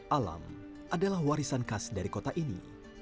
alam adalah warisan khas dari kota ini